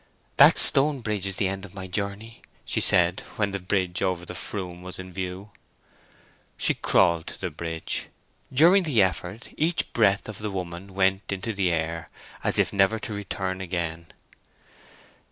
"That stone bridge is the end of my journey," she said, when the bridge over the Froom was in view. She crawled to the bridge. During the effort each breath of the woman went into the air as if never to return again.